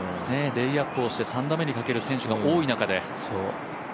レイアップして３打目にかける選手が多い中で。